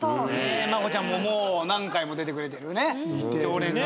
真保ちゃんももう何回も出てくれてる常連さんですね。